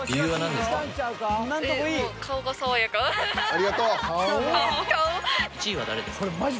ありがとう。顔？